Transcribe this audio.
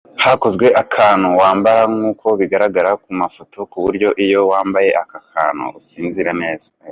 Hakozwe akantu wambara nkuko bigaragara kumafoto kuburyo iyo wambaye aka kantu usinzira neza.